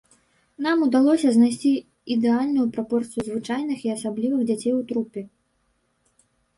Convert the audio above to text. Нам удалося знайсці ідэальную прапорцыю звычайных і асаблівых дзяцей у трупе.